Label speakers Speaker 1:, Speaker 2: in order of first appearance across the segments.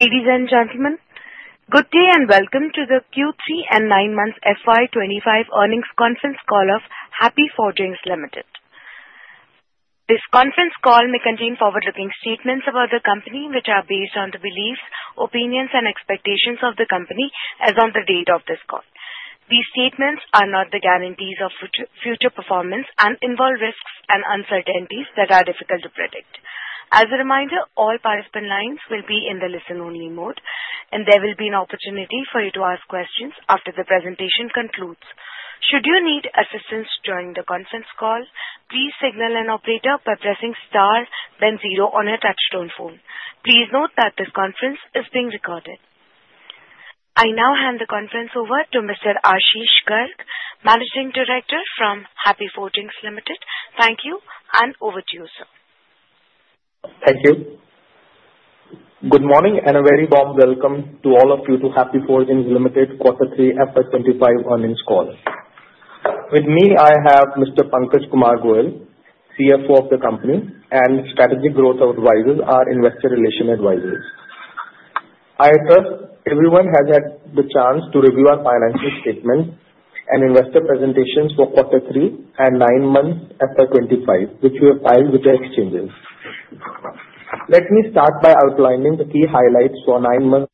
Speaker 1: Ladies and gentlemen, good day and welcome to the Q3 and nine-month FY 2025 Earnings Conference Call of Happy Forgings Ltd. This conference call may contain forward-looking statements about the company, which are based on the beliefs, opinions, and expectations of the company as of the date of this call. These statements are not the guarantees of future performance and involve risks and uncertainties that are difficult to predict. As a reminder, all participant lines will be in the listen-only mode, and there will be an opportunity for you to ask questions after the presentation concludes. Should you need assistance during the conference call, please signal an operator by pressing star, then zero on a touch-tone phone. Please note that this conference is being recorded. I now hand the conference over to Mr. Ashish Garg, Managing Director from Happy Forgings Ltd. Thank you, and over to you, sir.
Speaker 2: Thank you. Good morning and a very warm welcome to all of you to Happy Forgings Ltd. Quarter 3 FY 2025 earnings call. With me, I have Mr. Pankaj Kumar Goyal, CFO of the company, and Strategic Growth Advisors, our Investor Relations advisors. I trust everyone has had the chance to review our financial statements and investor presentations for Quarter 3 and 9-month FY 2025, which we have filed with the exchanges. Let me start by outlining the key highlights for 9-month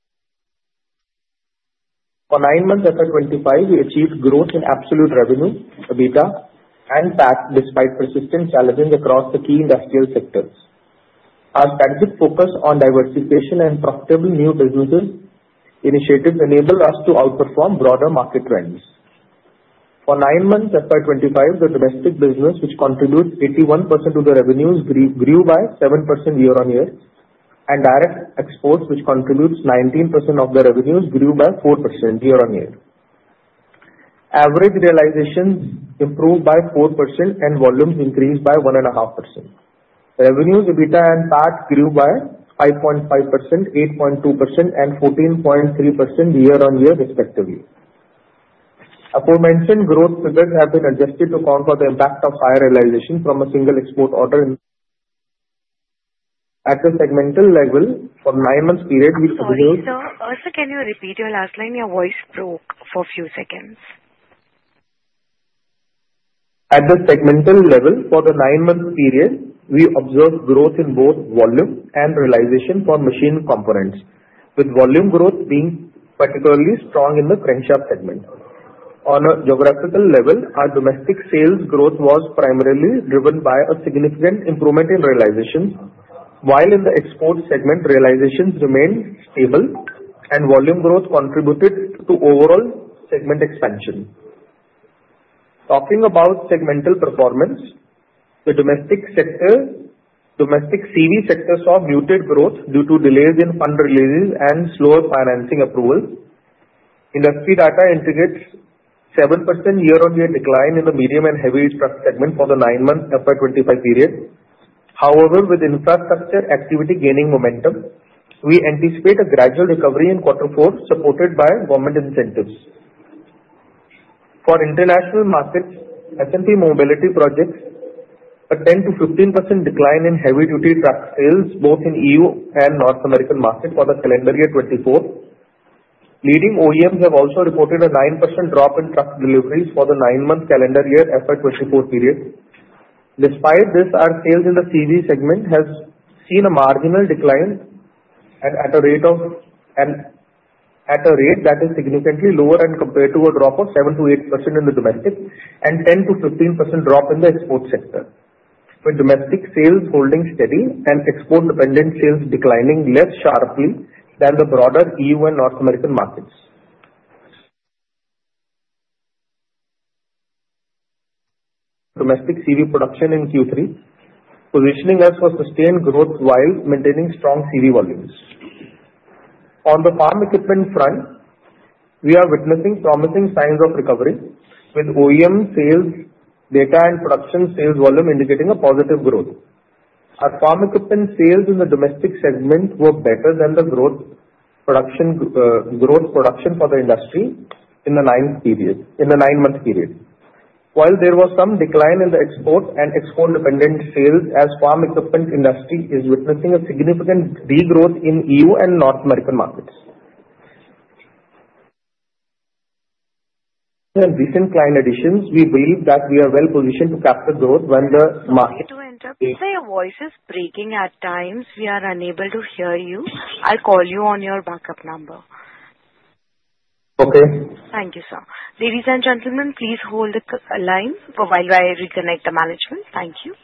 Speaker 2: FY 2025. We achieved growth in absolute revenue, EBITDA, and PAT despite persistent challenges across the key industrial sectors. Our strategic focus on diversification and profitable new business initiatives enabled us to outperform broader market trends. For 9-month FY 2025, the domestic business, which contributes 81% of the revenues, grew by 7% year-over-year, and direct exports, which contributes 19% of the revenues, grew by 4% year-over-year. Average realizations improved by 4% and volumes increased by 1.5%. Revenues, EBITDA, and PAT grew by 5.5%, 8.2%, and 14.3% year-over-year, respectively. The aforementioned growth figures have been adjusted to account for the impact of higher realization from a single export order at the segmental level. For the 9-month period, we observed.
Speaker 1: Sorry, sir. Also, can you repeat your last line? Your voice broke for a few seconds.
Speaker 2: At the segmental level, for the 9-month period, we observed growth in both volume and realization for machined components, with volume growth being particularly strong in the crankshaft segment. On a geographical level, our domestic sales growth was primarily driven by a significant improvement in realization, while in the export segment, realizations remained stable, and volume growth contributed to overall segment expansion. Talking about segmental performance, the domestic CV sectors saw muted growth due to delays in fund releases and slower financing approval. Industry data indicates a 7% year-over-year decline in the medium and heavy truck segment for the 9-month FY 2025 period. However, with infrastructure activity gaining momentum, we anticipate a gradual recovery in Quarter 4, supported by government incentives. For international markets, S&P Mobility Projects had a 10%-15% decline in heavy-duty truck sales, both in EU and North American markets for the calendar year 2024. Leading OEMs have also reported a 9% drop in truck deliveries for the nine-month calendar year FY 2024 period. Despite this, our sales in the CV segment have seen a marginal decline at a rate that is significantly lower when compared to a drop of 7%-8% in the domestic and a 10%-15% drop in the export sector, with domestic sales holding steady and export-dependent sales declining less sharply than the broader EU and North American markets. Domestic CV production in Q3 positioning us for sustained growth while maintaining strong CV volumes. On the farm equipment front, we are witnessing promising signs of recovery, with OEM sales data and production sales volume indicating a positive growth. Our farm equipment sales in the domestic segment were better than the growth production for the industry in the nine-month period, while there was some decline in the export and export-dependent sales as the farm equipment industry is witnessing a significant degrowth in EU and North American markets. In recent client additions, we believe that we are well-positioned to capture growth when the market.
Speaker 1: Just to interrupt, you say your voice is breaking at times. We are unable to hear you. I'll call you on your backup number.
Speaker 2: Okay.
Speaker 1: Thank you, sir. Ladies and gentlemen, please hold the line while I reconnect the management. Thank you.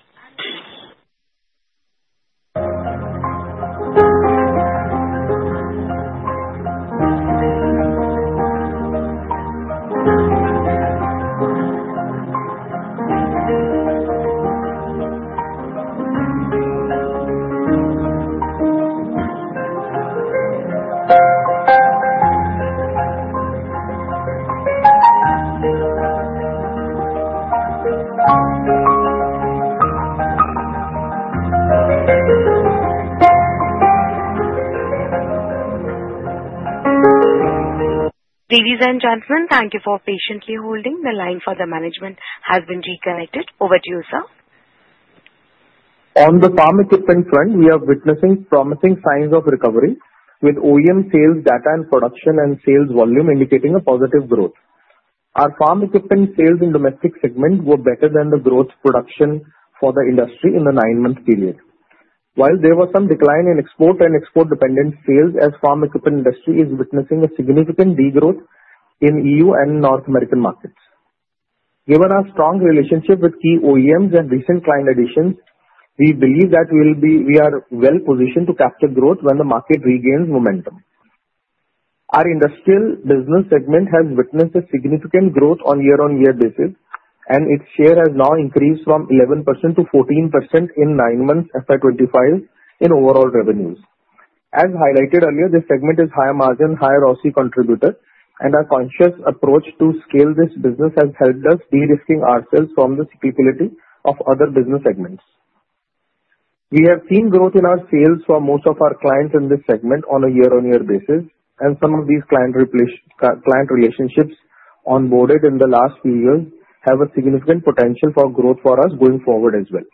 Speaker 1: Ladies and gentlemen, thank you for patiently holding. The line for the management has been reconnected. Over to you, sir.
Speaker 2: On the farm equipment front, we are witnessing promising signs of recovery, with OEM sales data and production and sales volume indicating a positive growth. Our farm equipment sales in the domestic segment were better than the growth production for the industry in the nine-month period, while there was some decline in export and export-dependent sales as the farm equipment industry is witnessing a significant degrowth in EU and North American markets. Given our strong relationship with key OEMs and recent client additions, we believe that we are well-positioned to capture growth when the market regains momentum. Our industrial business segment has witnessed a significant growth on a year-over-year basis, and its share has now increased from 11% to 14% in nine-month FY 2025 in overall revenues. As highlighted earlier, this segment is high margin, high ROC contributor, and our conscious approach to scale this business has helped us de-risk ourselves from the volatility of other business segments. We have seen growth in our sales for most of our clients in this segment on a year-over-year basis, and some of these client relationships onboarded in the last few years have a significant potential for growth for us going forward as well.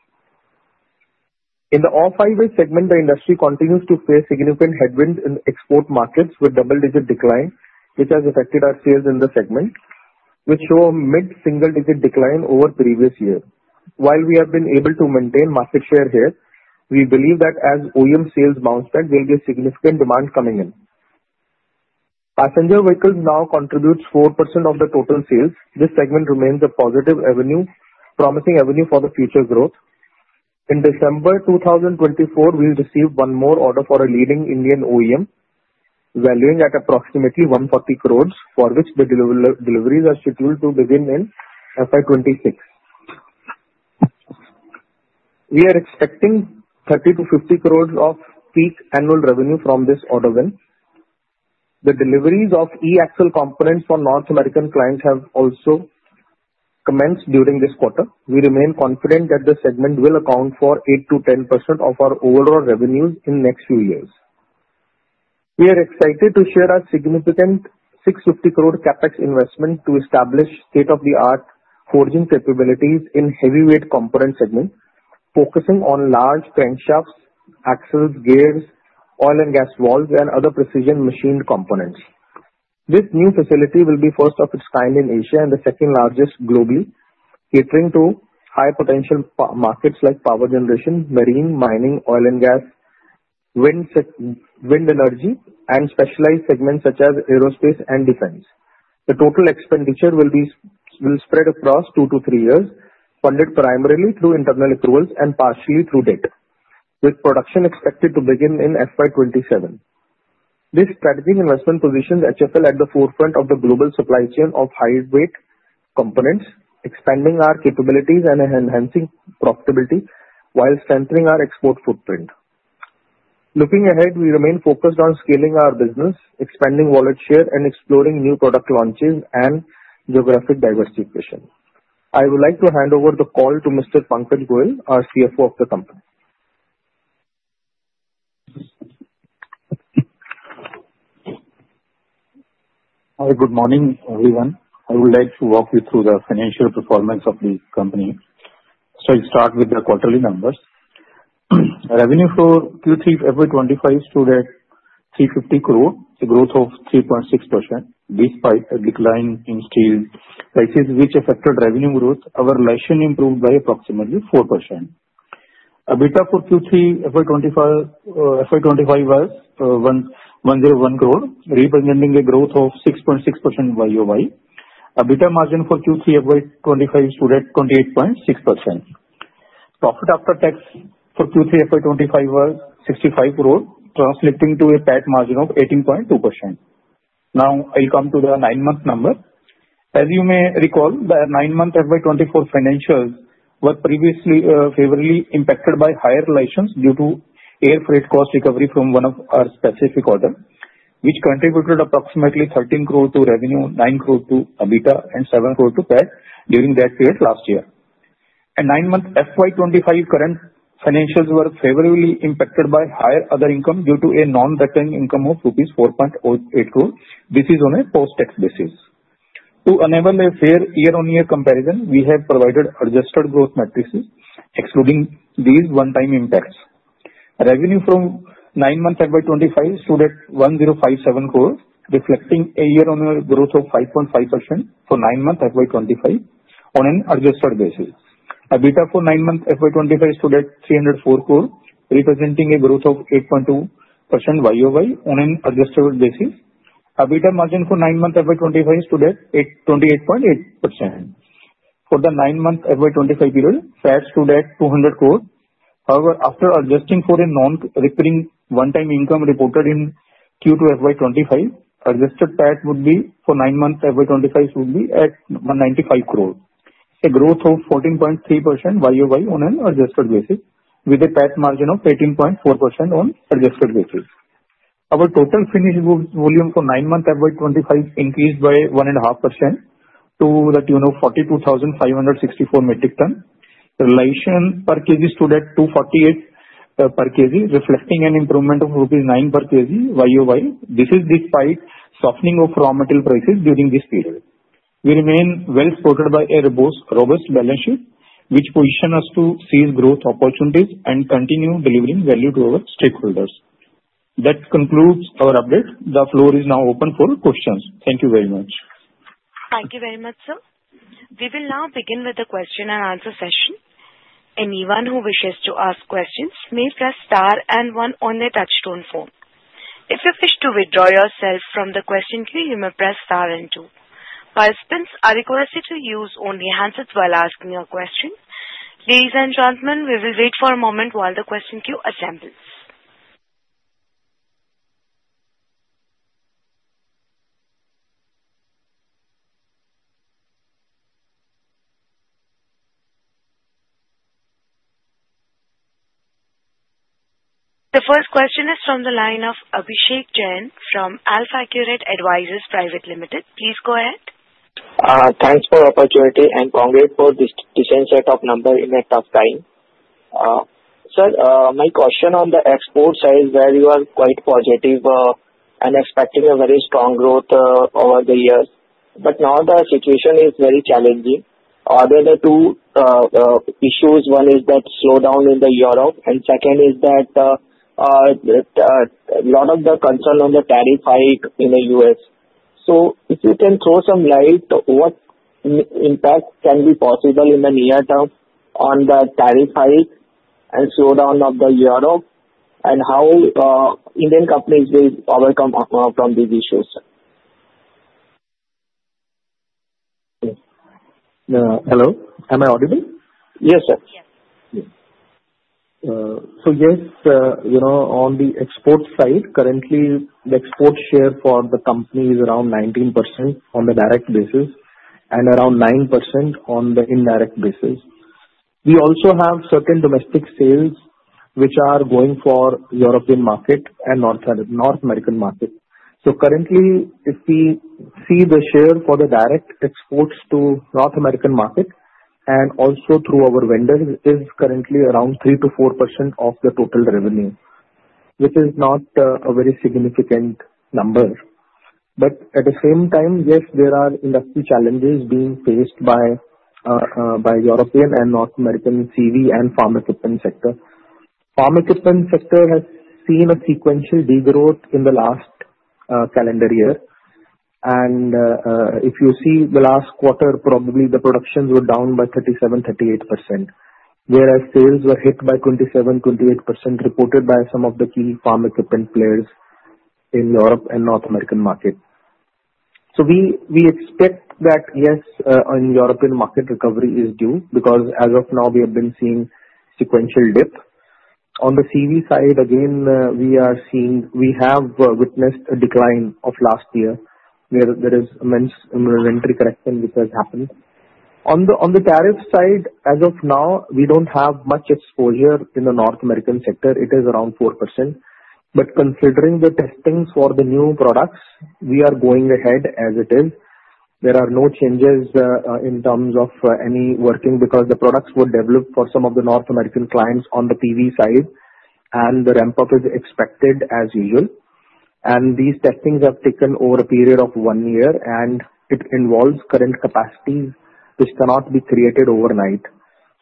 Speaker 2: In the off-highway segment, the industry continues to face significant headwinds in export markets, with double-digit decline, which has affected our sales in the segment, which show a mid-single-digit decline over the previous year. While we have been able to maintain market share here, we believe that as OEM sales bounce back, there will be a significant demand coming in. Passenger vehicles now contribute 4% of the total sales. This segment remains a positive promising avenue for future growth. In December 2024, we received one more order for a leading Indian OEM valued at approximately 140 crore, for which the deliveries are scheduled to begin in FY 2026. We are expecting 30-50 crore of peak annual revenue from this order win. The deliveries of e-axle components for North American clients have also commenced during this quarter. We remain confident that the segment will account for 8%-10% of our overall revenues in the next few years. We are excited to share our significant 650 crore CapEx investment to establish state-of-the-art forging capabilities in heavyweight component segment, focusing on large crankshafts, axles, gears, oil and gas valves, and other precision machined components. This new facility will be the first of its kind in Asia and the second largest globally, catering to high-potential markets like power generation, marine, mining, oil and gas, wind energy, and specialized segments such as aerospace and defense. The total expenditure will spread across two to three years, funded primarily through internal approvals and partially through debt, with production expected to begin in FY 2027. This strategic investment positions HFL at the forefront of the global supply chain of high-weight components, expanding our capabilities and enhancing profitability while strengthening our export footprint. Looking ahead, we remain focused on scaling our business, expanding volume share, and exploring new product launches and geographic diversification. I would like to hand over the call to Mr. Pankaj Goel, our CFO of the company.
Speaker 3: Hi, good morning, everyone. I would like to walk you through the financial performance of the company. So I'll start with the quarterly numbers. Revenue for Q3 FY 2025 stood at 350 crore, a growth of 3.6% despite a decline in steel prices, which affected revenue growth. Our realization improved by approximately 4%. EBITDA for Q3 FY 2025 was 101 crore, representing a growth of 6.6% year-over-year. EBITDA margin for Q3 FY 2025 stood at 28.6%. Profit after tax for Q3 FY 2025 was 65 crore, translating to a PAT margin of 18.2%. Now, I'll come to the nine-month number. As you may recall, the nine-month FY 2024 financials were previously favorably impacted by higher realizations due to air freight cost recovery from one of our specific orders, which contributed approximately 13 crore to revenue, 9 crore to EBITDA, and 7 crore to PAT during that period last year. 9-month FY 2025 current financials were favorably impacted by higher other income due to a non-recurring income of rupees 4.8 crore. This is on a post-tax basis. To enable a fair year-over-year comparison, we have provided adjusted growth metrics, excluding these one-time impacts. Revenue from 9-month FY 2025 stood at 1057 crore, reflecting a year-over-year growth of 5.5% for 9-month FY 2025 on an adjusted basis. EBITDA for 9-month FY 2025 stood at 304 crore, representing a growth of 8.2% year-over-year on an adjusted basis. EBITDA margin for 9-month FY 2025 stood at 28.8%. For the 9-month FY 2025 period, PAT stood at 200 crore. However, after adjusting for a non-recurring one-time income reported in Q2 FY 2025, adjusted PAT would be for 9-month FY 2025 stood at 195 crore. A growth of 14.3% year-over-year on an adjusted basis, with a PAT margin of 18.4% on adjusted basis. Our total finished volume for nine months FY 2025 increased by 1.5% to the tune of 42,564 metric tons. The realization per kg stood at 248 per kg, reflecting an improvement of rupees 9 per kg year-over-year. This is despite softening of raw material prices during this period. We remain well-supported by a robust balance sheet, which positions us to seize growth opportunities and continue delivering value to our stakeholders. That concludes our update. The floor is now open for questions. Thank you very much.
Speaker 1: Thank you very much, sir. We will now begin with the question and answer session. Anyone who wishes to ask questions may press star and one on the touch-tone phone. If you wish to withdraw yourself from the question queue, you may press star and two. Participants are requested to use only the handset while asking your question. Ladies and gentlemen, we will wait for a moment while the question queue assembles. The first question is from the line of Abhishek Jain from AlfAccurate Advisors. Please go ahead.
Speaker 4: Thanks for the opportunity and congrats for this decent set of numbers in a tough time. Sir, my question on the export side is where you are quite positive and expecting a very strong growth over the years. But now the situation is very challenging. Other than the two issues, one is that slowdown in Europe, and second is that a lot of the concern on the tariff hike in the U.S. So if you can throw some light, what impact can be possible in the near-term on the tariff hike and slowdown of Europe, and how Indian companies will overcome from these issues?
Speaker 2: Hello. Am I audible?
Speaker 4: Yes, sir.
Speaker 2: So yes, on the export side, currently, the export share for the company is around 19% on the direct basis and around 9% on the indirect basis. We also have certain domestic sales which are going for the European market and North American market. So currently, if we see the share for the direct exports to North American market and also through our vendors, it is currently around 3%-4% of the total revenue, which is not a very significant number. But at the same time, yes, there are industry challenges being faced by European and North American CV and farm equipment sector. Farm equipment sector has seen a sequential degrowth in the last calendar year. If you see the last quarter, probably the productions were down by 37%-38%, whereas sales were hit by 27%-28% reported by some of the key farm equipment players in Europe and North American market. We expect that, yes, in the European market, recovery is due because as of now, we have been seeing a sequential dip. On the CV side, again, we have witnessed a decline of last year, where there is immense inventory correction which has happened. On the tariff side, as of now, we don't have much exposure in the North American sector. It is around 4%. But considering the testings for the new products, we are going ahead as it is. There are no changes in terms of any working because the products were developed for some of the North American clients on the PV side, and the ramp-up is expected as usual. And these testings have taken over a period of one year, and it involves current capacities which cannot be created overnight.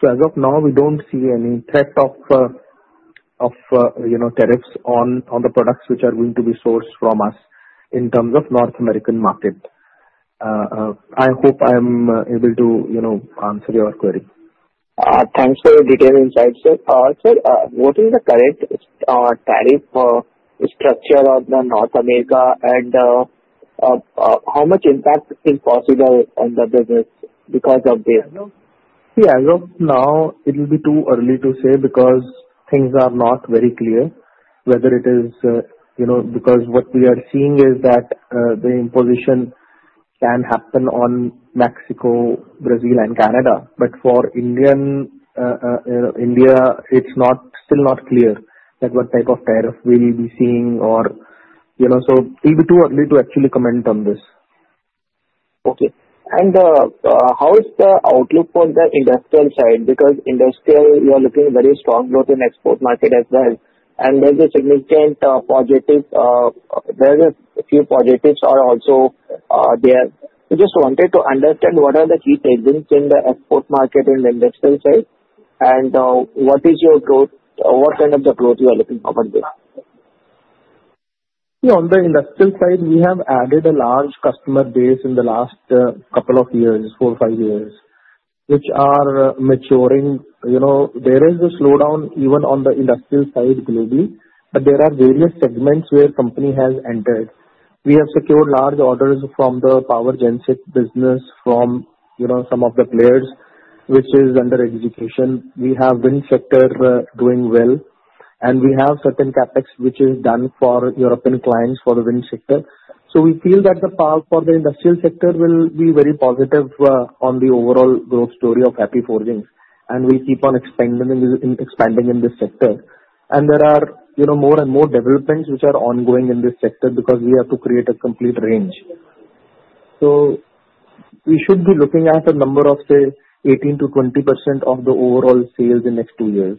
Speaker 2: So as of now, we don't see any threat of tariffs on the products which are going to be sourced from us in terms of North American market. I hope I'm able to answer your query.
Speaker 4: Thanks for the detailed insight, sir. Sir, what is the current tariff structure of North America and how much impact is possible on the business because of this?
Speaker 2: Yeah, as of now, it will be too early to say because things are not very clear whether it is because what we are seeing is that the imposition can happen on Mexico, Brazil, and Canada. But for India, it's still not clear what type of tariff we will be seeing. So it will be too early to actually comment on this.
Speaker 4: Okay. And how is the outlook for the industrial side? Because industrial, you are looking at very strong growth in the export market as well. And there's a significant positive. There are a few positives also there. We just wanted to understand what are the key trends in the export market and the industrial side, and what is your growth? What kind of growth are you looking forward to?
Speaker 2: Yeah, on the industrial side, we have added a large customer base in the last couple of years, four or five years, which are maturing. There is a slowdown even on the industrial side globally, but there are various segments where the company has entered. We have secured large orders from the power genset business, from some of the players, which is under execution. We have wind sector doing well, and we have certain CapEx which is done for European clients for the wind sector. So we feel that the path for the industrial sector will be very positive on the overall growth story of Happy Forgings, and we'll keep on expanding in this sector, and there are more and more developments which are ongoing in this sector because we have to create a complete range. So we should be looking at a number of, say, 18%-20% of the overall sales in the next two years.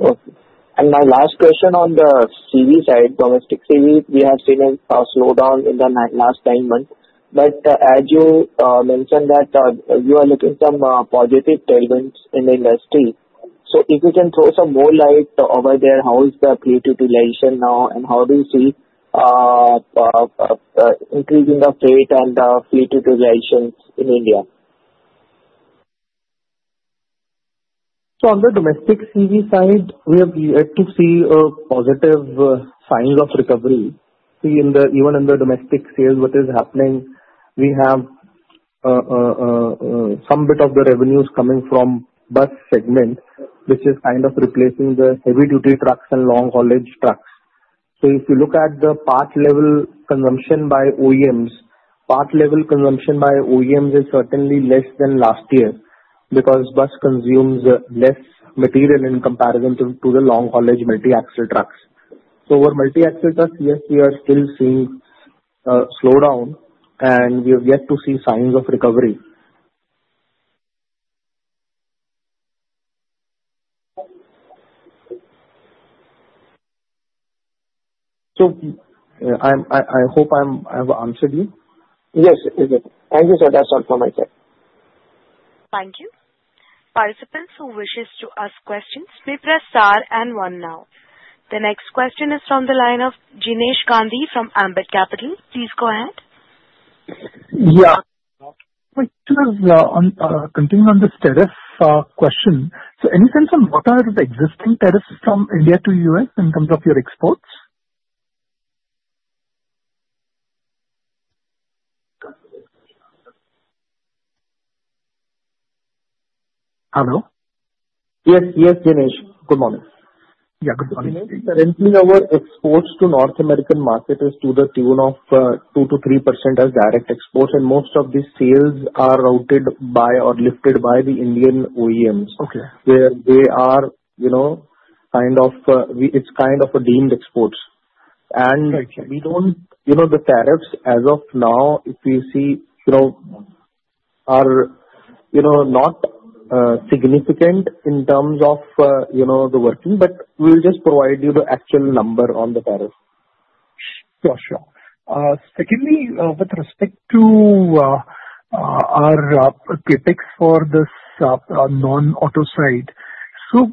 Speaker 4: Okay. And my last question on the CV side, domestic CV, we have seen a slowdown in the last nine months. But as you mentioned that you are looking at some positive trade winds in the industry. So if you can throw some more light over there, how is the fleet utilization now, and how do you see increasing the freight and the fleet utilization in India?
Speaker 2: So on the domestic CV side, we have yet to see positive signs of recovery. Even in the domestic sales, what is happening, we have some bit of the revenues coming from the bus segment, which is kind of replacing the heavy-duty trucks and long-haulage trucks. So if you look at the part-level consumption by OEMs, part-level consumption by OEMs is certainly less than last year because bus consumes less material in comparison to the long-haulage multi-axle trucks. So over multi-axle trucks, yes, we are still seeing a slowdown, and we have yet to see signs of recovery. So I hope I have answered you.
Speaker 4: Yes, it is. Thank you, sir. That's all from my side.
Speaker 1: Thank you. Participants who wish to ask questions may press star and one now. The next question is from the line of Jinesh Gandhi from Ambit Capital. Please go ahead.
Speaker 5: Yeah. Continuing on the tariff question, so any sense on what are the existing tariffs from India to the U.S. in terms of your exports? Hello?
Speaker 3: Yes, yes, Jinesh. Good morning.
Speaker 5: Yeah, good morning.
Speaker 3: Jinesh, sir, in our exports to North American market is to the tune of 2%-3% as direct exports, and most of these sales are routed by or lifted by the Indian OEMs, where they are kind of it's kind of a deemed export. And we don't see the tariffs as of now, if we see, are not significant in terms of the working, but we'll just provide you the actual number on the tariff.
Speaker 5: For sure. Secondly, with respect to our CapEx for this non-auto side, so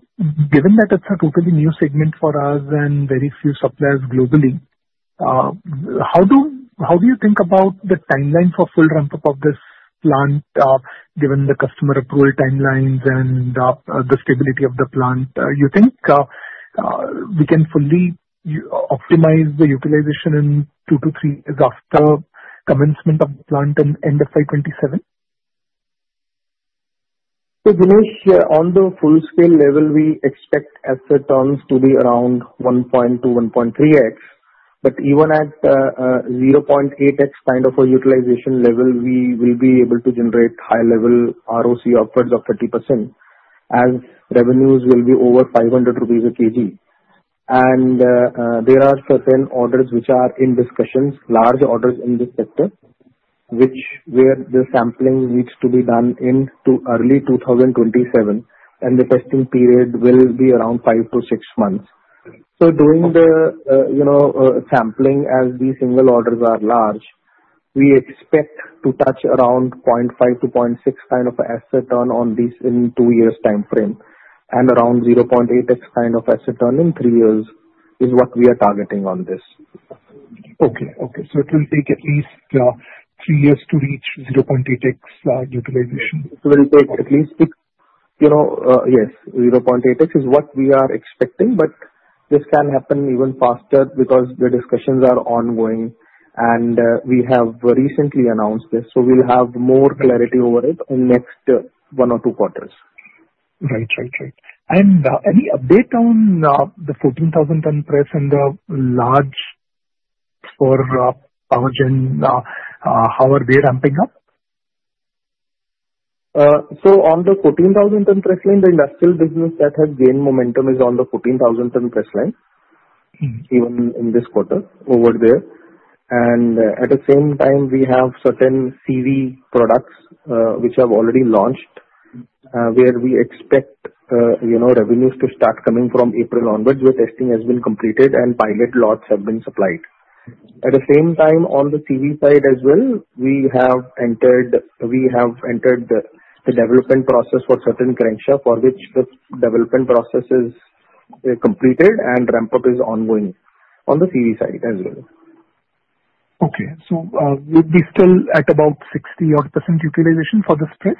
Speaker 5: given that it's a totally new segment for us and very few suppliers globally, how do you think about the timeline for full ramp-up of this plant, given the customer approval timelines and the stability of the plant? You think we can fully optimize the utilization in two to three years after commencement of the plant and end of 2027?
Speaker 3: Jinesh, on the full-scale level, we expect asset turnover to be around 1.2x-1.3x. But even at 0.8x kind of a utilization level, we will be able to generate high-level ROCE of 30% as revenues will be over 500 rupees a kg. And there are certain orders which are in discussion, large orders in this sector, where the sampling needs to be done in early 2027, and the testing period will be around five-six months. Doing the sampling as these single orders are large, we expect to touch around 0.5x-0.6x kind of asset turnover on these in two years' timeframe, and around 0.8x kind of asset turnover in three years is what we are targeting on this.
Speaker 5: So it will take at least three years to reach 0.8x utilization.
Speaker 3: It will take at least 0.8x is what we are expecting, but this can happen even faster because the discussions are ongoing, and we have recently announced this. So we'll have more clarity over it in the next one or two quarters.
Speaker 5: Right. Right. Right. And any update on the 14,000-ton press and the large forge for power genset, how are they ramping up?
Speaker 2: On the 14,000-ton press line, the industrial business that has gained momentum is on the 14,000-ton press line, even in this quarter over there. At the same time, we have certain CV products which have already launched, where we expect revenues to start coming from April onwards. The testing has been completed, and pilot lots have been supplied. At the same time, on the CV side as well, we have entered the development process for certain crankshaft, for which the development process is completed and ramp-up is ongoing on the CV side as well.
Speaker 5: Okay, so we'll be still at about 60% utilization for this press?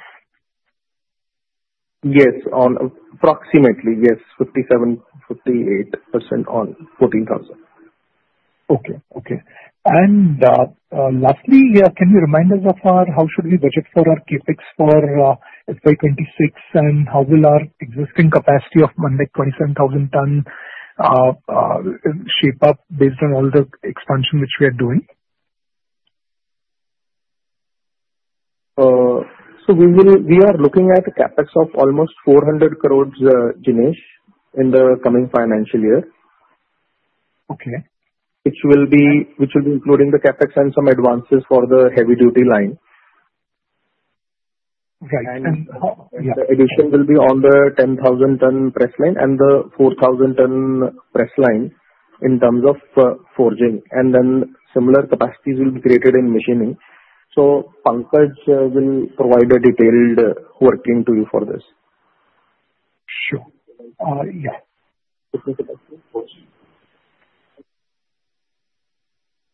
Speaker 2: Yes, approximately. Yes, 57%-58% on 14,000-ton.
Speaker 5: Okay. Okay, and lastly, can you remind us of how should we budget for our CapEx for FY 2026, and how will our existing capacity of 27,000 tons shape up based on all the expansion which we are doing?
Speaker 2: We are looking at a CapEx of almost 400 crore, Jinesh, in the coming financial year, which will be including the CapEx and some advances for the heavy-duty line. The addition will be on the 10,000-ton press line and the 4,000-ton press line in terms of forging. Then similar capacities will be created in machining. Pankaj will provide a detailed working to you for this.
Speaker 5: Sure. Yeah.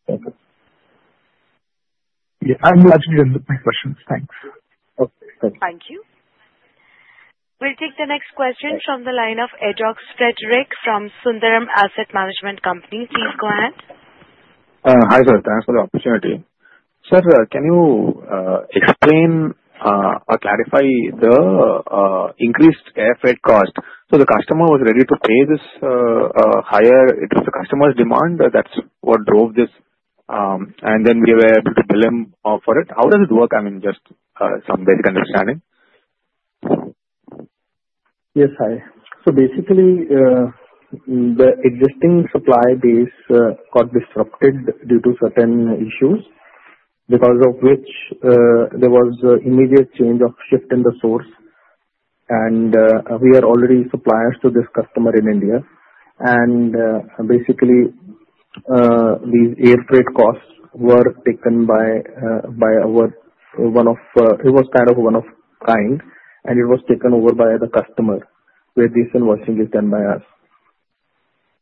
Speaker 5: Yeah. I'm largely done with my questions. Thanks.
Speaker 2: Okay. Thank you.
Speaker 1: Thank you. We'll take the next question from the line of Ajox Frederick from Sundaram Asset Management Company. Please go ahead.
Speaker 6: Hi, sir. Thanks for the opportunity. Sir, can you explain or clarify the increased airfare cost? So the customer was ready to pay this higher. It was the customer's demand that's what drove this, and then we were able to bill him for it. How does it work? I mean, just some basic understanding.
Speaker 2: Yes, hi. So basically, the existing supply base got disrupted due to certain issues because of which there was an immediate change of shift in the source. And we are already suppliers to this customer in India. And basically, these airfreight costs were taken by one-off. It was kind of one-of-a-kind, and it was taken over by the customer, where this invoicing is done by us.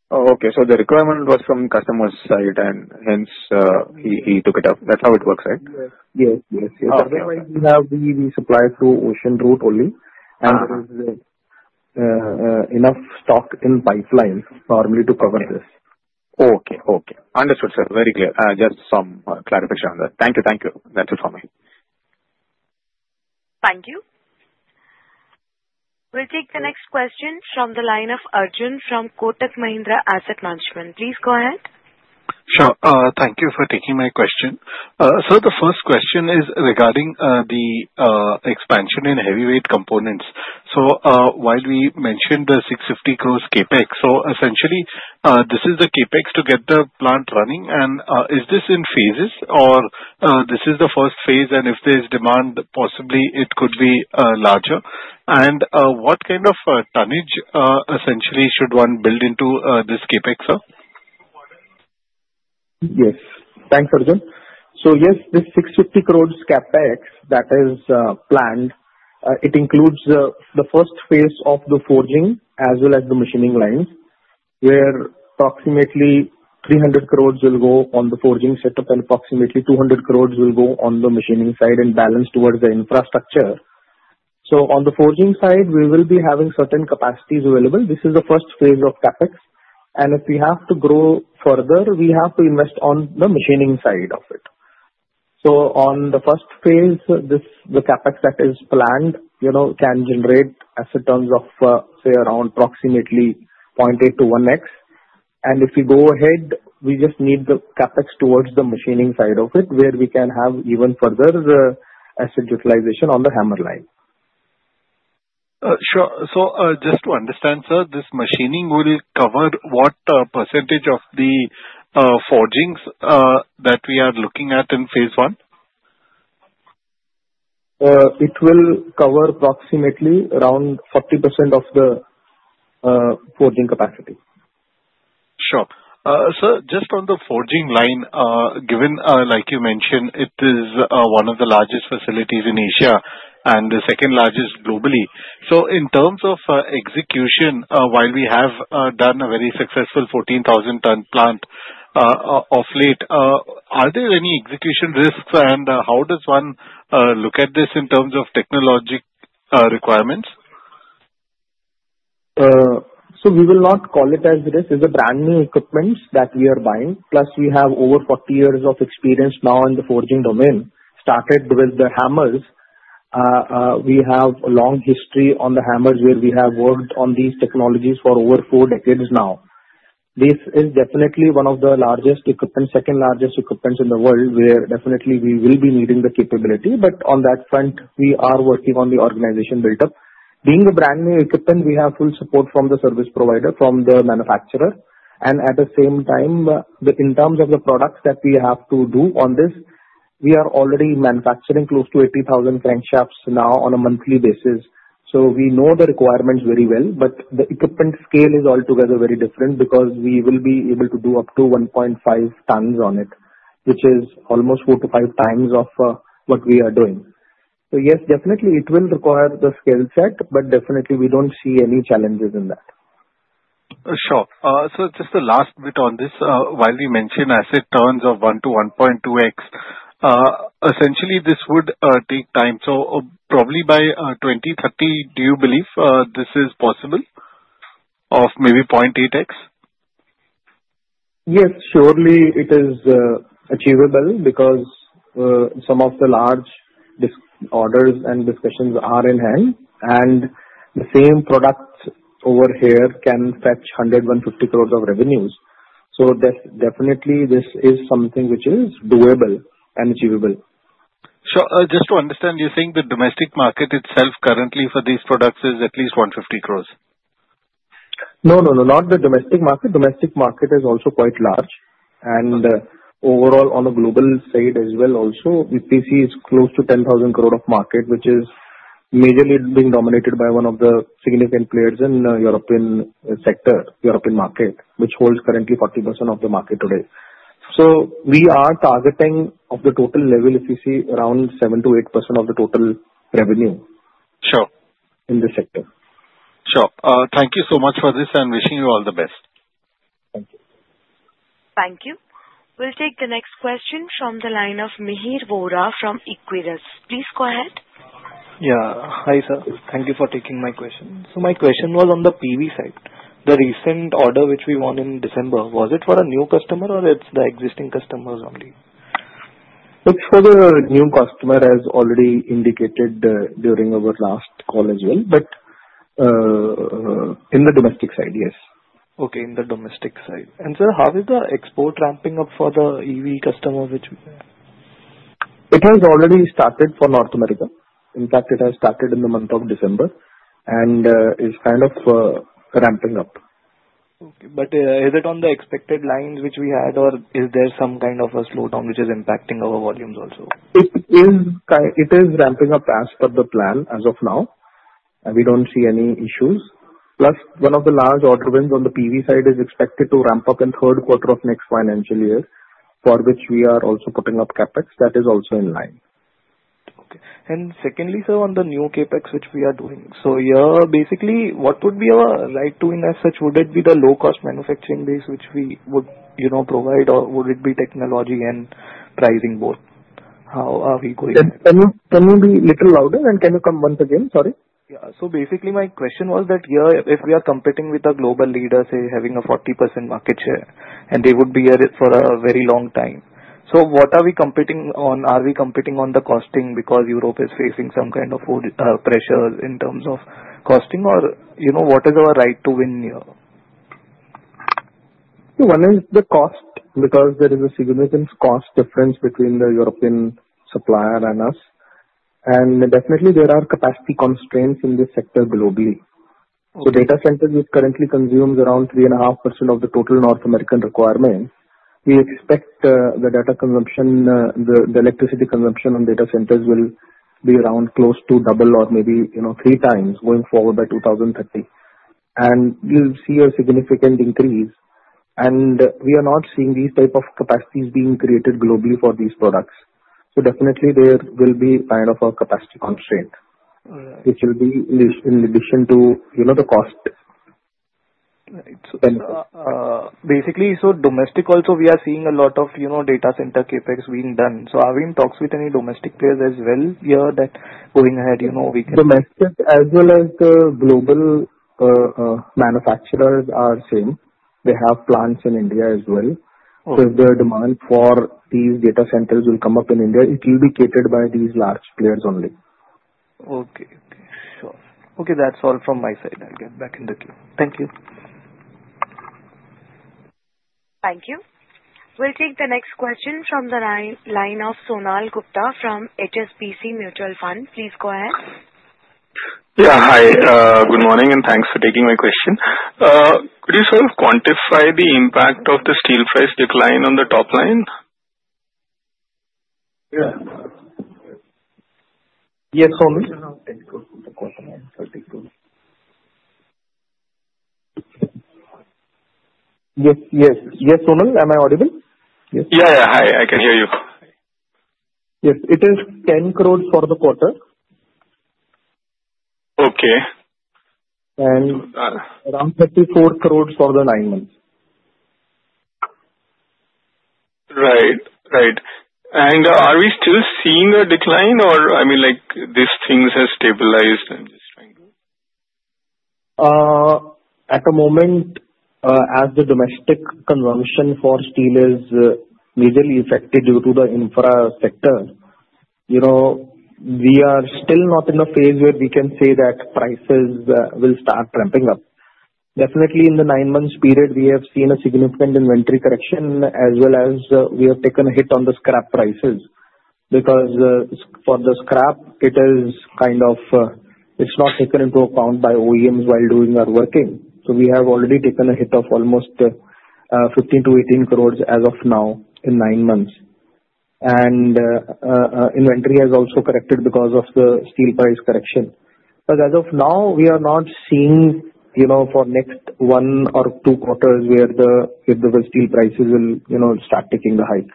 Speaker 6: Oh, okay. So the requirement was from the customer's side, and hence he took it up. That's how it works, right?
Speaker 2: Yes. Yes. Yes. Otherwise, we supply through ocean route only, and there is enough stock in pipelines normally to cover this.
Speaker 6: Oh, okay. Okay. Understood, sir. Very clear. Just some clarification on that. Thank you. Thank you. That's it from me.
Speaker 1: Thank you. We'll take the next question from the line of Arjun from Kotak Mahindra Asset Management. Please go ahead.
Speaker 7: Sure. Thank you for taking my question. Sir, the first question is regarding the expansion in heavyweight components. So while we mentioned the 650 crore CapEx, so essentially, this is the CapEx to get the plant running. And is this in phases, or this is the first phase, and if there's demand, possibly it could be larger? And what kind of tonnage essentially should one build into this CapEx, sir?
Speaker 2: Yes. Thanks, Arjun. So yes, this 650 crore CapEx that is planned, it includes the first phase of the forging as well as the machining lines, where approximately 300 crore will go on the forging setup and approximately 200 crore will go on the machining side and balance towards the infrastructure. So on the forging side, we will be having certain capacities available. This is the first phase of CapEx. And if we have to grow further, we have to invest on the machining side of it. So on the first phase, the CapEx that is planned can generate asset turnover of, say, around approximately 0.8x-1x. And if we go ahead, we just need the CapEx towards the machining side of it, where we can have even further asset utilization on the hammer line.
Speaker 7: Sure. So just to understand, sir, this machining will cover what percentage of the forgings that we are looking at in phase one?
Speaker 2: It will cover approximately around 40% of the forging capacity.
Speaker 7: Sure. Sir, just on the forging line, given, like you mentioned, it is one of the largest facilities in Asia and the second largest globally. So in terms of execution, while we have done a very successful 14,000-ton plant of late, are there any execution risks, and how does one look at this in terms of technology requirements?
Speaker 2: So we will not call it as it is. It's a brand new equipment that we are buying. Plus, we have over 40 years of experience now in the forging domain. Started with the hammers. We have a long history on the hammers, where we have worked on these technologies for over four decades now. This is definitely one of the largest equipment, second largest equipment in the world, where definitely we will be needing the capability. But on that front, we are working on the organization build-up. Being a brand new equipment, we have full support from the service provider, from the manufacturer. And at the same time, in terms of the products that we have to do on this, we are already manufacturing close to 80,000 crankshafts now on a monthly basis. So we know the requirements very well, but the equipment scale is altogether very different because we will be able to do up to 1.5 tons on it, which is almost four to five times of what we are doing. So yes, definitely, it will require the skill set, but definitely, we don't see any challenges in that.
Speaker 7: Sure, so just the last bit on this. While we mentioned asset turnover of 1.0x-1.2x, essentially, this would take time, so probably by 2030, do you believe this is possible or maybe 0.8x?
Speaker 2: Yes, surely, it is achievable because some of the large orders and discussions are in hand, and the same product over here can fetch 100 crore-150 crore of revenues. So definitely, this is something which is doable and achievable.
Speaker 7: Sure. Just to understand, you're saying the domestic market itself currently for these products is at least 150 crore?
Speaker 2: No, no, no. Not the domestic market. Domestic market is also quite large. And overall, on a global side as well, also, EPC is close to 10,000 crore of market, which is majorly being dominated by one of the significant players in the European sector, European market, which holds currently 40% of the market today. So we are targeting of the total level, if you see, around 7%-8% of the total revenue in this sector.
Speaker 7: Sure. Thank you so much for this, and wishing you all the best.
Speaker 2: Thank you.
Speaker 1: Thank you. We'll take the next question from the line of Mihir Vora from Equirus. Please go ahead.
Speaker 8: Yeah. Hi, sir. Thank you for taking my question. So my question was on the PV side. The recent order which we won in December, was it for a new customer, or it's the existing customers only?
Speaker 2: It's for the new customer, as already indicated during our last call as well. But in the domestic side, yes.
Speaker 8: Okay. In the domestic side, and sir, how is the export ramping up for the EV customers?
Speaker 2: It has already started for North America. In fact, it has started in the month of December and is kind of ramping up.
Speaker 8: Okay. But is it on the expected lines which we had, or is there some kind of a slowdown which is impacting our volumes also?
Speaker 2: It is ramping up as per the plan as of now. We don't see any issues. Plus, one of the large order wins on the PV side is expected to ramp-up in the third quarter of next financial year, for which we are also putting up CapEx that is also in line.
Speaker 8: Okay. And secondly, sir, on the new CapEx which we are doing, so basically, what would be our right to win as such? Would it be the low-cost manufacturing base which we would provide, or would it be technology and pricing both? How are we going?
Speaker 2: Can you be a little louder, and can you come once again? Sorry.
Speaker 8: Yeah. So basically, my question was that if we are competing with a global leader, say, having a 40% market share, and they would be here for a very long time, so what are we competing on? Are we competing on the costing because Europe is facing some kind of pressure in terms of costing, or what is our right to win here?
Speaker 2: One is the cost because there is a significant cost difference between the European supplier and us, and definitely, there are capacity constraints in this sector globally, so data centers currently consume around 3.5% of the total North American requirement. We expect the data consumption, the electricity consumption on data centers will be around close to double or maybe three times going forward by 2030, and you'll see a significant increase, and we are not seeing these types of capacities being created globally for these products, so definitely, there will be kind of a capacity constraint, which will be in addition to the cost.
Speaker 8: Right. Basically, so domestic also, we are seeing a lot of data center CapEx being done. So are we in talks with any domestic players as well here that going ahead, we can?
Speaker 2: Domestic as well as the global manufacturers are the same. They have plants in India as well. So if the demand for these data centers will come up in India, it will be catered by these large players only.
Speaker 8: Okay. Okay. Sure. Okay. That's all from my side. I'll get back in the queue. Thank you.
Speaker 1: Thank you. We'll take the next question from the line of Sonal Gupta from HSBC Mutual Fund. Please go ahead.
Speaker 9: Yeah. Hi. Good morning, and thanks for taking my question. Could you sort of quantify the impact of the steel price decline on the top line?
Speaker 2: Yes. Yes, Sonal. Yes. Yes. Yes, Sonal. Am I audible? Yes.
Speaker 9: Yeah. Yeah. Hi. I can hear you.
Speaker 2: Yes. It is 10 crore for the quarter. And around 34 crore for the nine months.
Speaker 9: Right. Right. Are we still seeing a decline, or I mean, these things have stabilized? I'm just trying to.
Speaker 2: At the moment, as the domestic consumption for steel is majorly affected due to the infra sector, we are still not in a phase where we can say that prices will start ramping up. Definitely, in the nine-month period, we have seen a significant inventory correction, as well as we have taken a hit on the scrap prices because for the scrap, it is kind of, it's not taken into account by OEMs while doing our working. So we have already taken a hit of almost 15 crore-18 crore as of now in nine months. And inventory has also corrected because of the steel price correction, but as of now, we are not seeing for next one or two quarters where the steel prices will start taking the hike.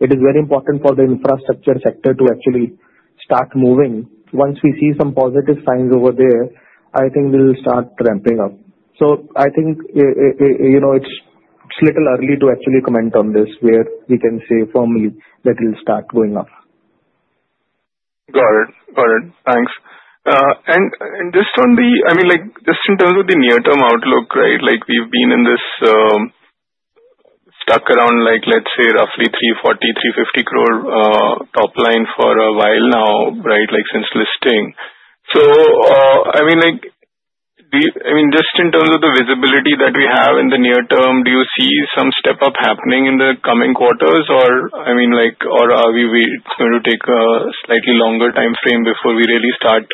Speaker 2: It is very important for the infrastructure sector to actually start moving. Once we see some positive signs over there, I think we'll start ramping up. So I think it's a little early to actually comment on this where we can say formally that it'll start going up.
Speaker 10: Got it. Got it. Thanks, and just on the, I mean, just in terms of the near-term outlook, right. We've been stuck around, let's say, roughly 340 crore-350 crore top line for a while now, right, since listing. So I mean, just in terms of the visibility that we have in the near term, do you see some step-up happening in the coming quarters, or I mean, or are we waiting to take a slightly longer time frame before we really start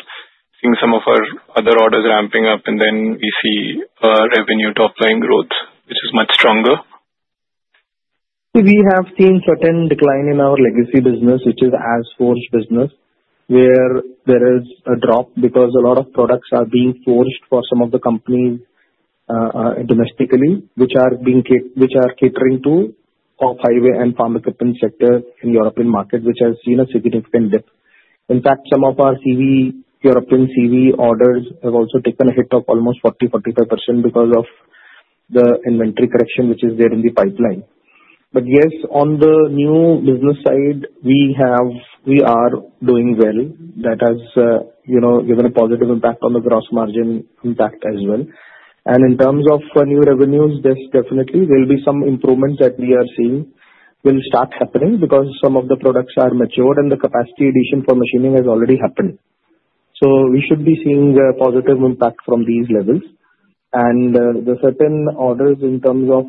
Speaker 10: seeing some of our other orders ramping up and then we see revenue top line growth, which is much stronger? We have seen certain decline in our legacy business, which is our forging business, where there is a drop because a lot of products are being forged for some of the companies domestically, which are catering to the highway and farm equipment sector in the European market, which has seen a significant dip. In fact, some of our European CV orders have also taken a hit of almost 40%-45% because of the inventory correction, which is there in the pipeline. But yes, on the new business side, we are doing well. That has given a positive impact on the gross margin impact as well. And in terms of new revenues, there definitely will be some improvements that we are seeing will start happening because some of the products are matured and the capacity addition for machining has already happened.
Speaker 2: So we should be seeing a positive impact from these levels. And the certain orders in terms of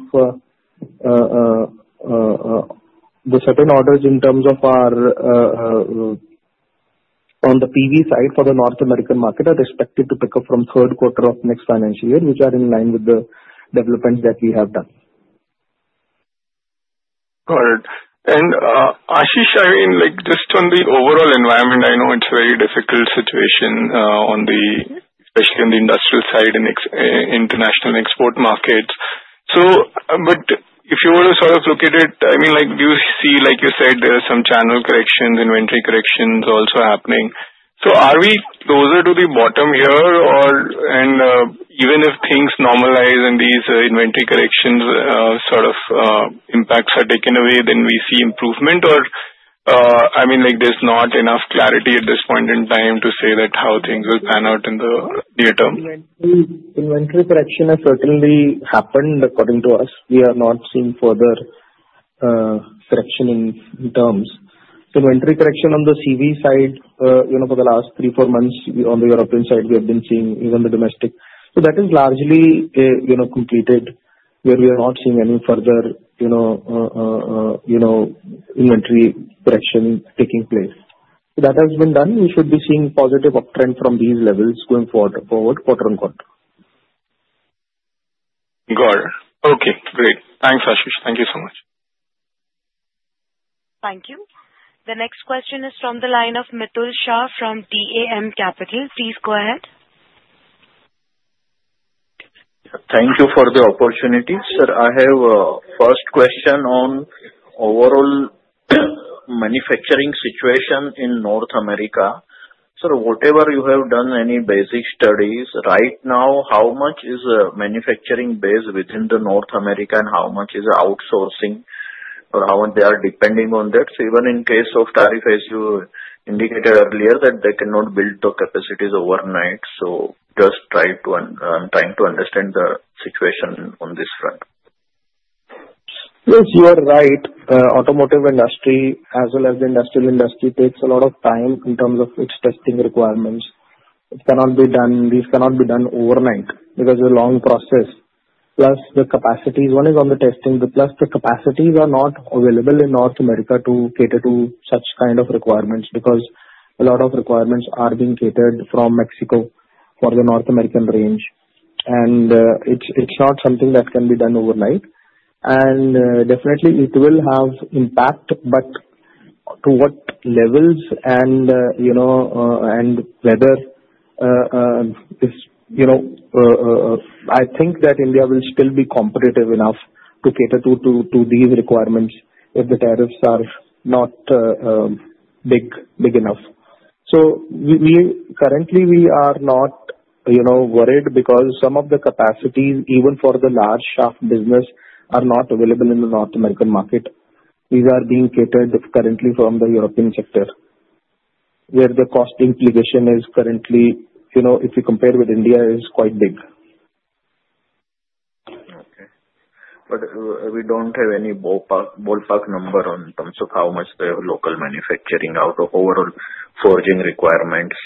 Speaker 2: our on the PV side for the North American market are expected to pick up from third quarter of next financial year, which are in line with the developments that we have done.
Speaker 9: Got it. And Ashish, I mean, just on the overall environment, I know it's a very difficult situation, especially on the industrial side and international export markets. But if you were to sort of look at it, I mean, do you see, like you said, there are some channel corrections, inventory corrections also happening. So are we closer to the bottom here, or even if things normalize and these inventory corrections sort of impacts are taken away, then we see improvement, or I mean, there's not enough clarity at this point in time to say that how things will pan out in the near term?
Speaker 2: Inventory correction has certainly happened according to us. We are not seeing further correction in terms. Inventory correction on the CV side for the last three or four months on the European side, we have been seeing even the domestic. So that is largely completed, where we are not seeing any further inventory correction taking place. That has been done. We should be seeing positive uptrend from these levels going forward quarter-on-quarter.
Speaker 9: Got it. Okay. Great. Thanks, Ashish. Thank you so much.
Speaker 1: Thank you. The next question is from the line of Mitul Shah from DAM Capital. Please go ahead.
Speaker 11: Thank you for the opportunity. Sir, I have a first question on overall manufacturing situation in North America. Sir, whatever you have done, any basic studies, right now, how much is the manufacturing base within North America and how much is outsourcing, or how they are depending on that? So even in case of tariff, as you indicated earlier, that they cannot build the capacities overnight. So just try to. I'm trying to understand the situation on this front.
Speaker 2: Yes, you are right. The automotive industry, as well as the industrial industry, takes a lot of time in terms of its testing requirements. It cannot be done. These cannot be done overnight because it's a long process. Plus, the capacities one is on the testing, but plus the capacities are not available in North America to cater to such kind of requirements because a lot of requirements are being catered from Mexico for the North American range. And it's not something that can be done overnight. And definitely, it will have impact, but to what levels and whether I think that India will still be competitive enough to cater to these requirements if the tariffs are not big enough. So currently, we are not worried because some of the capacities, even for the large shaft business, are not available in the North American market. These are being catered currently from the European sector, where the cost implication is currently, if you compare with India, is quite big.
Speaker 11: Okay. But we don't have any ballpark number in terms of how much the local manufacturing out of overall forging requirements.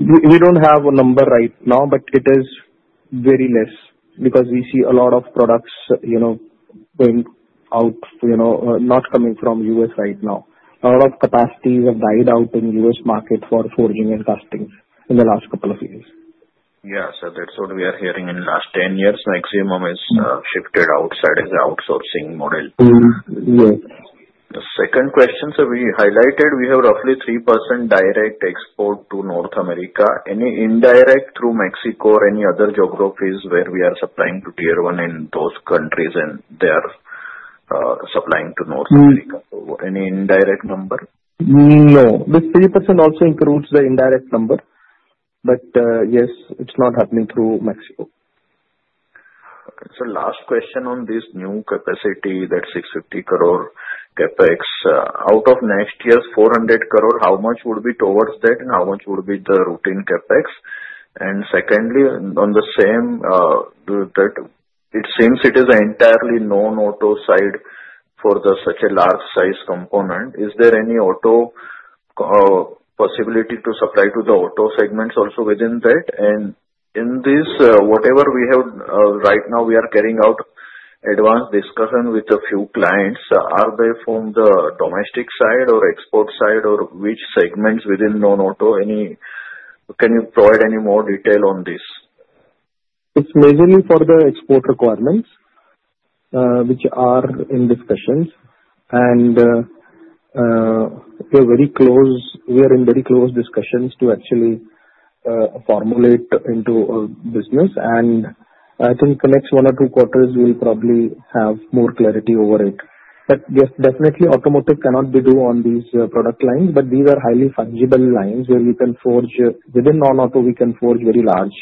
Speaker 2: We don't have a number right now, but it is very less because we see a lot of products going out, not coming from the U.S. right now. A lot of capacities have died out in the U.S. market for forging and casting in the last couple of years.
Speaker 11: Yeah, so that's what we are hearing in the last 10 years. Maximum is shifted outside of the outsourcing model.
Speaker 2: Yes.
Speaker 11: The second question, sir, we highlighted we have roughly 3% direct export to North America. Any indirect through Mexico or any other geographies where we are supplying to tier one in those countries and they are supplying to North America? Any indirect number?
Speaker 2: No. The 3% also includes the indirect number. But yes, it's not happening through Mexico.
Speaker 11: Okay, so last question on this new capacity, that 650 crore CapEx. Out of next year's 400 crore, how much would be towards that, and how much would be the routine CapEx? And secondly, on the same, it seems it is entirely non-auto side for such a large-sized component. Is there any auto possibility to supply to the auto segments also within that? And in this, whatever we have right now, we are carrying out advanced discussion with a few clients. Are they from the domestic side or export side, or which segments within non-auto? Can you provide any more detail on this?
Speaker 2: It's majorly for the export requirements, which are in discussions, and we are in very close discussions to actually formulate into a business. I think the next one or two quarters, we'll probably have more clarity over it, but definitely, automotive cannot be ruled out on these product lines, but these are highly fungible lines where we can forge within non-auto. We can forge very large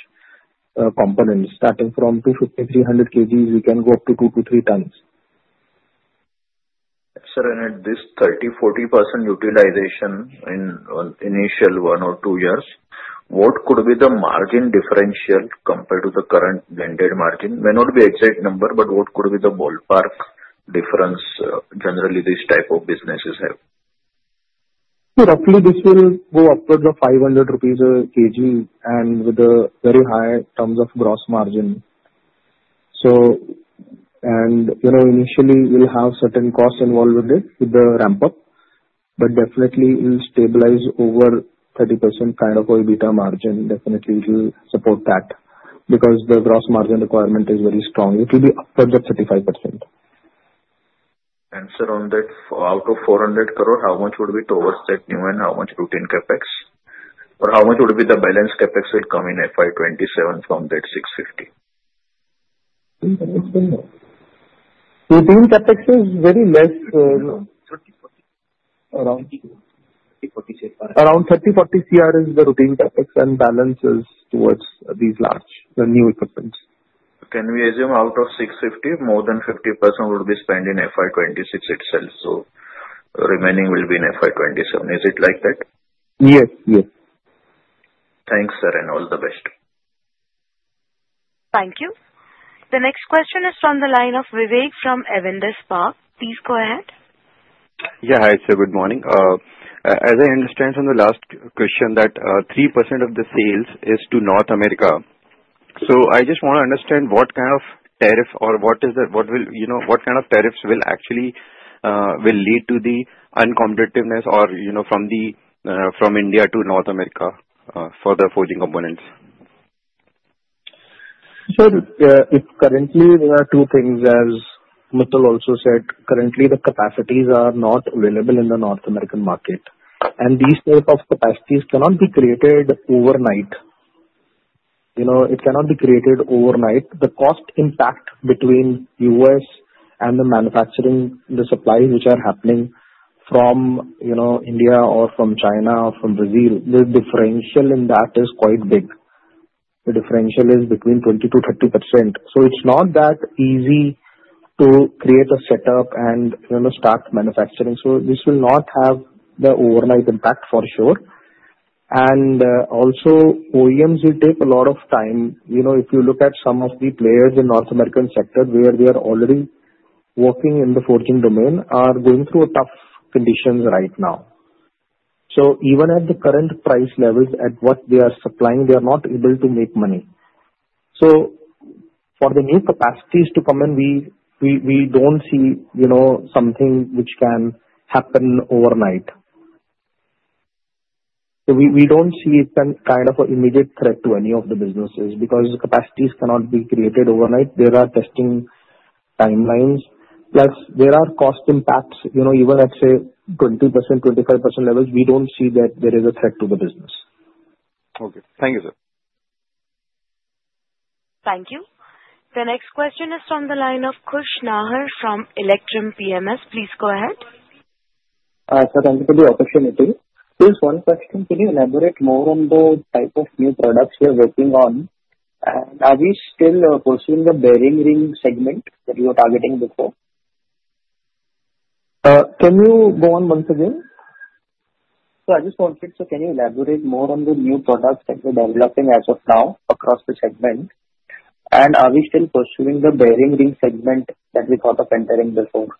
Speaker 2: components starting from 250-300 kg. We can go up to two-three tons.
Speaker 11: Sir, and at this 30%-40% utilization in initial one or two years, what could be the margin differential compared to the current blended margin? May not be the exact number, but what could be the ballpark difference generally these types of businesses have?
Speaker 2: Roughly, this will go upwards of 500 rupees a kg and with very high in terms of gross margin, and initially, we'll have certain costs involved with it with the ramp-up, but definitely, it will stabilize over 30% kind of EBITDA margin. Definitely, it will support that because the gross margin requirement is very strong. It will be upwards of 35%.
Speaker 11: Sir, on that, out of 400 crore, how much would be towards that new and how much routine CapEx? Or how much would be the balanced CapEx will come in FY 2027 from that 650 crore?
Speaker 2: Routine CapEx is very less. Around 30 crore-40 crore is the routine CapEx, and balance is towards these large new equipments.
Speaker 11: Can we assume out of 650, more than 50% would be spent in FY 2026 itself? So remaining will be in FY 2027. Is it like that?
Speaker 2: Yes. Yes.
Speaker 11: Thanks, sir, and all the best.
Speaker 1: Thank you. The next question is from the line of Vivek from Avendus Spark. Please go ahead.
Speaker 12: Yeah. Hi, sir. Good morning. As I understand from the last question, that 3% of the sales is to North America. So I just want to understand what kind of tariff or what kind of tariffs will actually lead to the uncompetitiveness from India to North America for the forging components?
Speaker 2: Sir, currently, there are two things. As Mitul also said, currently, the capacities are not available in the North American market. And these types of capacities cannot be created overnight. It cannot be created overnight. The cost impact between US and the manufacturing, the supplies which are happening from India or from China or from Brazil, the differential in that is quite big. The differential is between 20%-30%. So it's not that easy to create a setup and start manufacturing. So this will not have the overnight impact for sure. And also, OEMs will take a lot of time. If you look at some of the players in the North American sector, where they are already working in the forging domain, are going through tough conditions right now. So even at the current price levels, at what they are supplying, they are not able to make money. For the new capacities to come in, we don't see something which can happen overnight. We don't see kind of an immediate threat to any of the businesses because capacities cannot be created overnight. There are testing timelines. Plus, there are cost impacts. Even at, say, 20%-25% levels, we don't see that there is a threat to the business.
Speaker 12: Okay. Thank you, sir.
Speaker 1: Thank you. The next question is from the line of Khush Nahar from Electrum PMS. Please go ahead.
Speaker 13: Sir, thank you for the opportunity. Just one question. Can you elaborate more on the type of new products we are working on? And are we still pursuing the bearing ring segment that you were targeting before? Can you go on once again? So I just wanted to say, can you elaborate more on the new products that we are developing as of now across the segment? And are we still pursuing the bearing ring segment that we thought of entering before?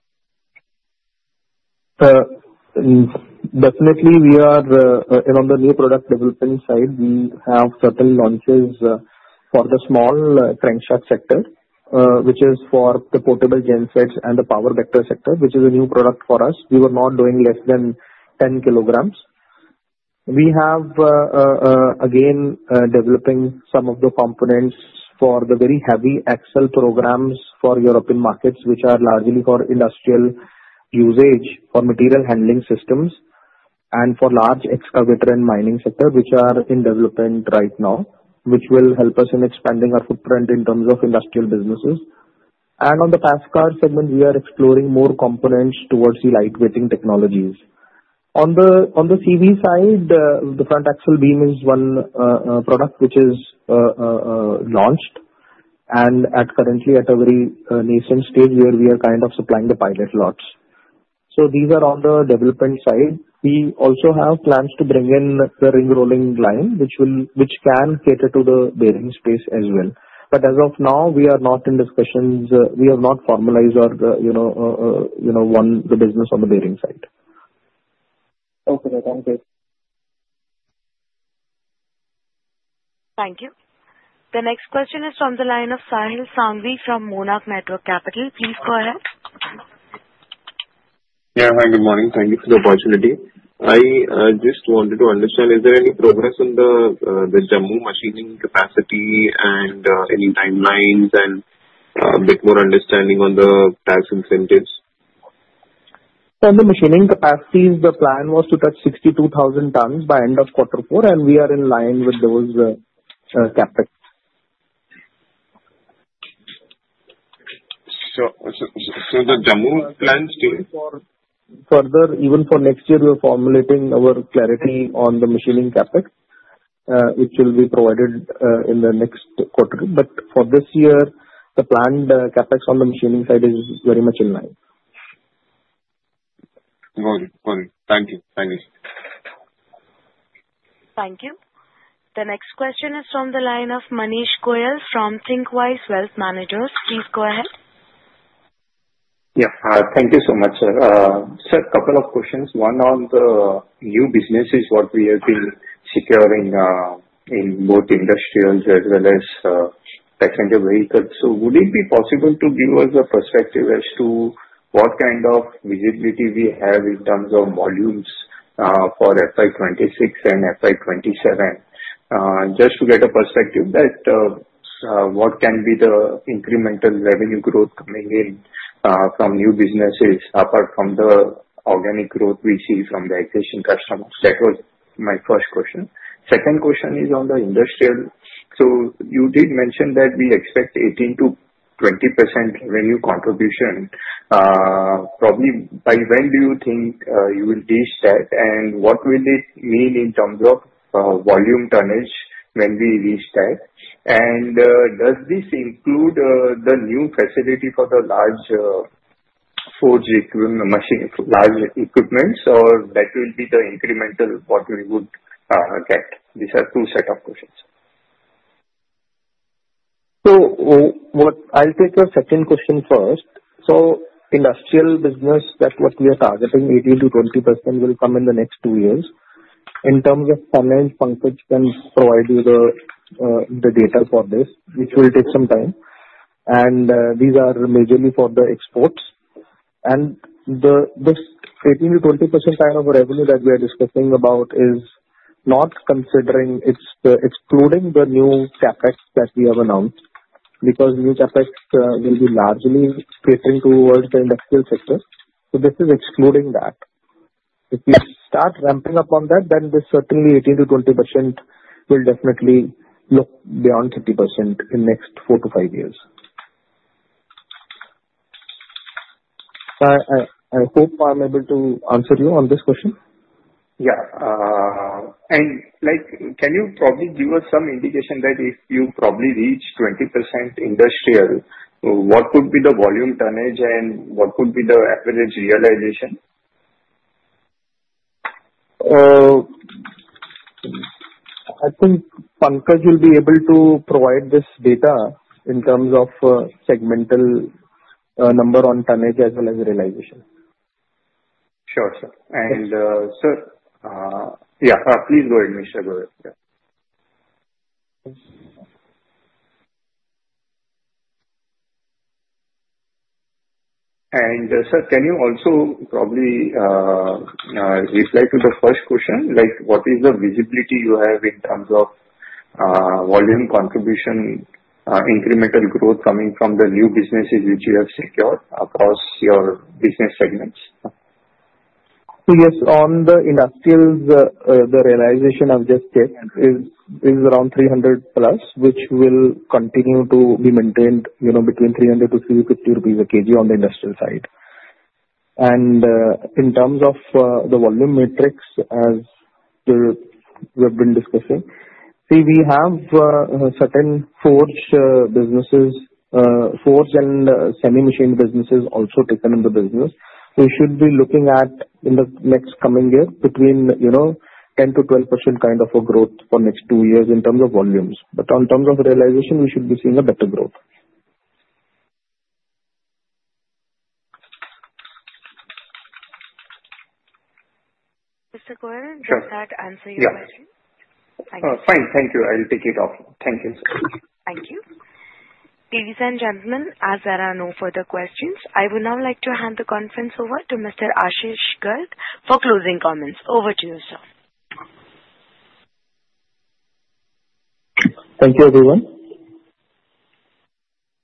Speaker 2: Definitely, we are on the new product development side. We have certain launches for the small crankshaft sector, which is for the portable gensets and the power generation sector, which is a new product for us. We were not doing less than 10 kg. We have, again, developing some of the components for the very heavy axle programs for European markets, which are largely for industrial usage for material handling systems and for large excavator and mining sector, which are in development right now, which will help us in expanding our footprint in terms of industrial businesses. And on the passenger car segment, we are exploring more components towards the lightweighting technologies. On the CV side, the front axle beam is one product which is launched and currently at a very nascent stage where we are kind of supplying the pilot lots. So these are on the development side. We also have plans to bring in the ring-rolling line, which can cater to the bearing space as well. But as of now, we are not in discussions. We have not formalized or won the business on the bearing side.
Speaker 13: Okay. Thank you.
Speaker 1: Thank you. The next question is from the line of Sahil Sanghvi from Monarch Networth Capital. Please go ahead.
Speaker 14: Yeah. Hi, good morning. Thank you for the opportunity. I just wanted to understand, is there any progress on the Jammu machining capacity and any timelines and a bit more understanding on the tax incentives?
Speaker 2: On the machining capacity, the plan was to touch 62,000 tons by end of Quarter 4, and we are in line with those CapEx.
Speaker 14: So the Jammu plan. Still?
Speaker 2: Further, even for next year, we're formulating our clarity on the machining CapEx, which will be provided in the next quarter. But for this year, the planned CapEx on the machining side is very much in line.
Speaker 14: Got it. Got it. Thank you. Thank you.
Speaker 1: Thank you. The next question is from the line of Manish Goyal from Thinqwise Wealth Managers. Please go ahead.
Speaker 15: Yes. Thank you so much, sir. Sir, a couple of questions. One on the new businesses, what we have been securing in both industrials as well as passenger vehicles. So would it be possible to give us a perspective as to what kind of visibility we have in terms of volumes for FY 2026 and FY 2027? Just to get a perspective that what can be the incremental revenue growth coming in from new businesses apart from the organic growth we see from the existing customers. That was my first question. Second question is on the industrial. So you did mention that we expect 18%-20% revenue contribution. Probably by when do you think you will reach that? And what will it mean in terms of volume tonnage when we reach that? And does this include the new facility for the large forging equipment, large equipment, or that will be the incremental what we would get?
Speaker 2: These are two sets of questions. So I'll take your second question first. So industrial business, that's what we are targeting, 18%-20% will come in the next two years. In terms of tonnage, Pankaj can provide you the data for this, which will take some time. And these are majorly for the exports. And this 18%-20% kind of revenue that we are discussing about is not considering it's excluding the new CapEx that we have announced because new CapEx will be largely catering towards the industrial sector. So this is excluding that. If we start ramping up on that, then this certainly 18%-20% will definitely look beyond 30% in the next four to five years. I hope I'm able to answer you on this question.
Speaker 15: Yeah, and can you probably give us some indication that if you probably reach 20% industrial, what would be the volume tonnage and what would be the average realization?
Speaker 2: I think Pankaj will be able to provide this data in terms of segmental number on tonnage as well as realization.
Speaker 15: Sure, sir. And sir, yeah, please go ahead, Mr. Goyal. And sir, can you also probably reply to the first question? What is the visibility you have in terms of volume contribution, incremental growth coming from the new businesses which you have secured across your business segments?
Speaker 2: Yes. On the industrials, the realization I've just said is around 300-plus, which will continue to be maintained between 300-350 rupees a kg on the industrial side. And in terms of the volume metrics, as we have been discussing, see, we have certain forge businesses, forge and semi-machined businesses also taken in the business. We should be looking at, in the next coming year, between 10%-12% kind of a growth for next two years in terms of volumes. But on terms of realization, we should be seeing a better growth.
Speaker 1: Mr. Goyal, do you want to answer your question?
Speaker 16: Yes.
Speaker 1: Thank you.
Speaker 2: Fine. Thank you. I'll take it off. Thank you, sir.
Speaker 1: Thank you. Ladies and gentlemen, as there are no further questions, I would now like to hand the conference over to Mr. Ashish Garg for closing comments. Over to you, sir.
Speaker 2: Thank you, everyone.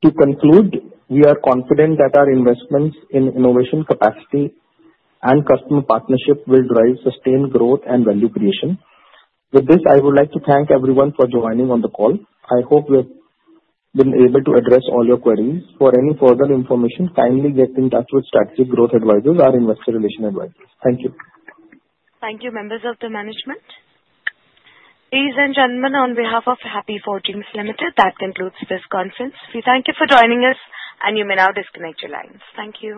Speaker 2: To conclude, we are confident that our investments in innovation capacity and customer partnership will drive sustained growth and value creation. With this, I would like to thank everyone for joining on the call. I hope we have been able to address all your queries. For any further information, kindly get in touch with Strategic Growth Advisors or Investor Relations advisors. Thank you.
Speaker 1: Thank you, members of the management. Ladies and gentlemen, on behalf of Happy Forgings Limited, that concludes this conference. We thank you for joining us, and you may now disconnect your lines. Thank you.